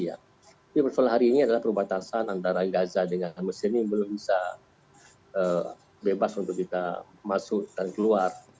tapi persoalan hari ini adalah perbatasan antara gaza dengan mesir ini belum bisa bebas untuk kita masuk dan keluar